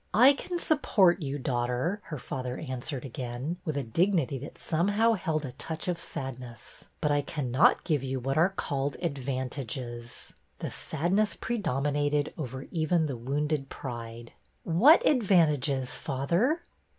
'' I can support you, daughter," her father answered again, with a dignity that somehow held a touch of sadness, '' but I cannot give you 268 BETTY BAIRD'S VENTURES what are called advantages." The sadness pre dominated over even the wounded pride. '' What advantages, father?